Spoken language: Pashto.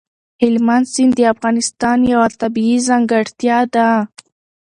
هلمند سیند د افغانستان یوه طبیعي ځانګړتیا ده.